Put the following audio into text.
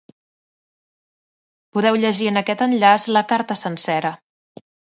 Podeu llegir en aquest enllaç la carta sencera.